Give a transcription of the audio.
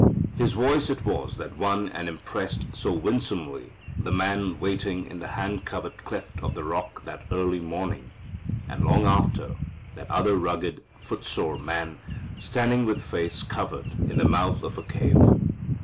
His voice it was that won and impressed so winsomely the man waiting in the hand covered cleft of the rock that early morning, and long after, that other rugged, footsore man, standing with face covered in the mouth of a cave.